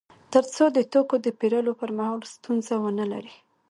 تر څو د توکو د پېرلو پر مهال ستونزه ونلري